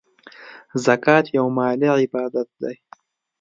زکات یو مالی عبادت دی .